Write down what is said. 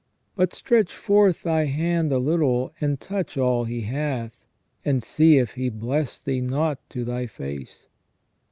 But stretch forth Thy hand a little, and touch all he hath, amd see if he bless Thee not to Thy face."